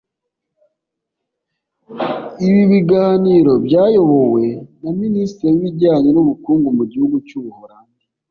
Ibi biganiro byayobowe na Minisitiri w’ibijyanye n’ubukungu mu gihugu cy’u Buholandi